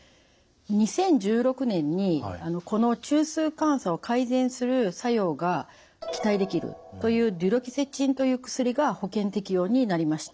２０１６年にこの中枢感作を改善する作用が期待できるというデュロキセチンという薬が保険適用になりました。